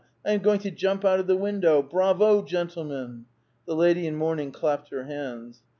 "I am going to jump out of the window ! Bravo, gentlemen !" The lady in mourning clapped her hands.